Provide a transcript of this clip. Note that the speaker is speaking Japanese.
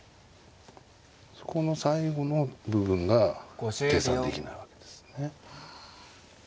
そこの最後の部分が計算できないわけですね。